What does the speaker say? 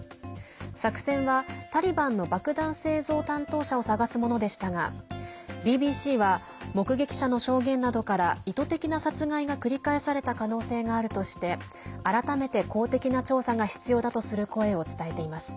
作戦はタリバンの爆弾製造担当者を探すものでしたがＢＢＣは、目撃者の証言などから意図的な殺害が繰り返された可能性があるとして改めて公的な調査が必要だとする声を伝えています。